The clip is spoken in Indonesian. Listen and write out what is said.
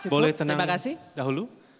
boleh tenang dahulu